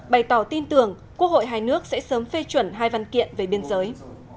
bày tỏ tin tưởng quốc hội hai nước sẽ sớm phê chuẩn hai văn kiện về biên giới